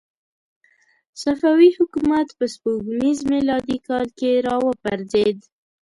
صفوي حکومت په سپوږمیز میلادي کال کې را وپرځېد.